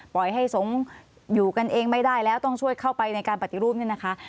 ปล่อยให้สงฆ์อยู่กันเองไม่ได้แล้วต้องช่วยเข้าไปในการปฏิรูปเนี่ยนะคะ